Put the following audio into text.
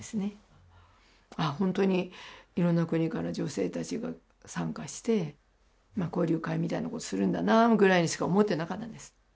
あっほんとにいろんな国から女性たちが参加して交流会みたいなことするんだなぐらいにしか思ってなかったんです。